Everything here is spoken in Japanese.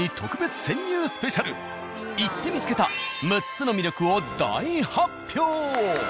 行って見つけた６つの魅力を大発表！